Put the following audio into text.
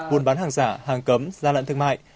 buôn bán hàng giả hàng cấm gian lận thương mại